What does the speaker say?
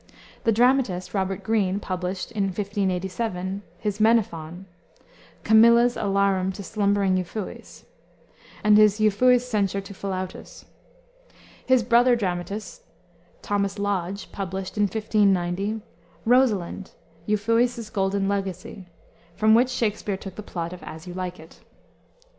The dramatist, Robert Greene, published, in 1587, his Menaphon; Camilla's Alarum to Slumbering Euphues, and his Euphues's Censure to Philautus. His brother dramatist, Thomas Lodge, published; in 1590, Rosalynde: Euphues's Golden Legacy, from which Shakspere took the plot of As You Like It.